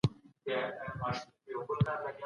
د تاریخ حقایق باید راتلونکي نسل ته انتقال سي.